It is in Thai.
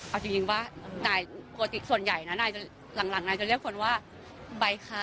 เอาจริงว่านายก็ปกติส่วนใหญ่นะนายจะหลังนายจะเรียกคนว่าใบคะ